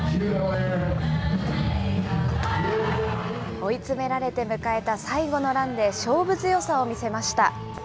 追い詰められて迎えた最後のランで、勝負強さを見せました。